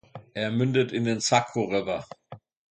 Er mündet in den Saco River.